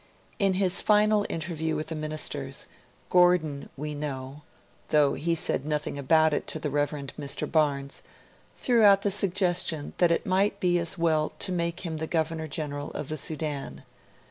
In his final interview with the 'Ministers', Gordon we know (though he said nothing about it to the Rev. Mr Barnes) threw out the suggestion that it might be as well to make him the Governor General of the Sudan.